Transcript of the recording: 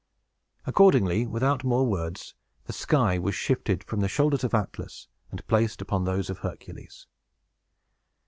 Accordingly, without more words, the sky was shifted from the shoulders of Atlas, and placed upon those of Hercules.